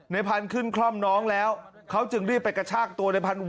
พันธุ์ขึ้นคล่อมน้องแล้วเขาจึงรีบไปกระชากตัวในพันธุ